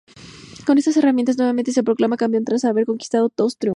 Con estas herramientas, nuevamente se proclama campeón tras haber conquistado dos triunfos.